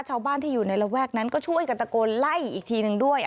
ชาวบ้านที่อยู่ในระแวกนั้นก็ช่วยกันตะโกนไล่อีกทีหนึ่งด้วย